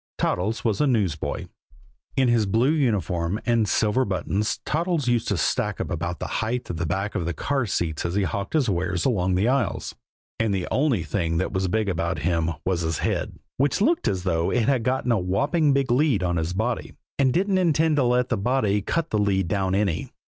Toddles was a newsboy. In his blue uniform and silver buttons, Toddles used to stack up about the height of the back of the car seats as he hawked his wares along the aisles; and the only thing that was big about him was his head, which looked as though it had got a whopping big lead on his body and didn't intend to let the body cut the lead down any.